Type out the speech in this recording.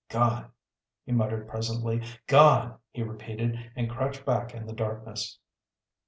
"Gone!" he muttered presently. "Gone!" he repeated and crouched back in the darkness.